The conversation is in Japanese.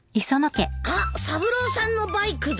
あっ三郎さんのバイクだ。